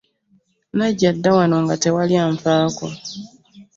Najja dda wano nga tewali anfaako.